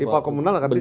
ipal komunal akan kita